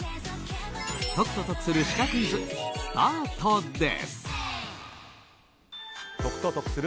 解くと得するシカクイズスタートです。